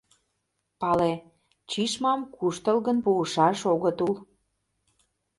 Пале: Чишмам куштылгын пуышаш огыт ул.